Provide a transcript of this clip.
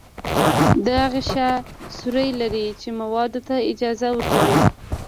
دا غشا سوري لري چې موادو ته اجازه ورکوي.